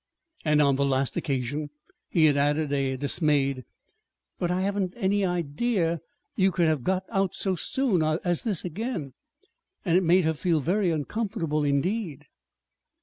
And on the last occasion he had added a dismayed "But I hadn't any idea you could have got out so soon as this again!" And it made her feel very uncomfortable indeed.